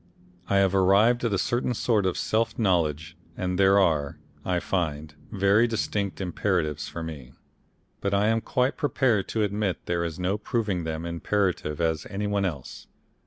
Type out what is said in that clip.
I have arrived at a certain sort of self knowledge and there are, I find, very distinct imperatives for me, but I am quite prepared to admit there is no proving them imperative on any one else.